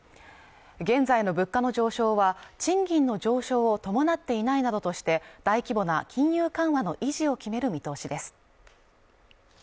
現在の物価の上昇は賃金の上昇を伴っていないなどとして大規模な金融緩和の維持を決める見通しです